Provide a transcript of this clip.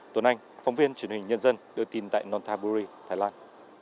tuấn anh phóng viên truyền hình nhân dân đưa tin tại nonthaburi thái lan